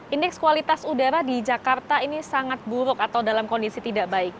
indeks kualitas udara di jakarta ini sangat buruk atau dalam kondisi tidak baik